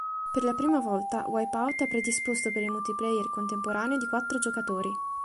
Per la prima volta "Wipeout" è predisposto per il multiplayer contemporaneo di quattro giocatori.